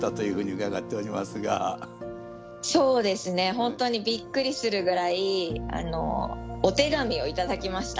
ほんとにびっくりするぐらいお手紙を頂きました。